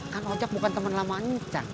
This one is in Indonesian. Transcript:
kan ojak bukan temen lama ini cang